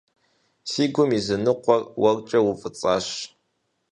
Си гум и зы ныкъуэр уэркӀэ уфӀыцӀащ.